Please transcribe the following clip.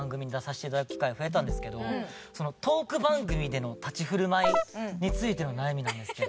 トーク番組での立ち振る舞いについての悩みなんですけど。